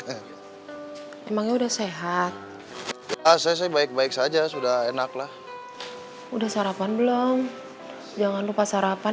emangnya udah sehat asli baik baik saja sudah enaklah udah sarapan belum jangan lupa sarapan